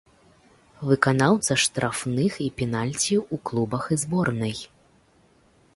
Выканаўца штрафных і пенальці ў клубах і зборнай.